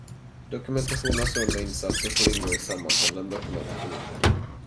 Dokumentation av sådana insatser får ingå i sammanhållen dokumentation.